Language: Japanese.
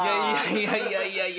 いやいやいや。